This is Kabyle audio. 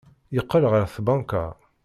Yeqqel ɣer tbanka.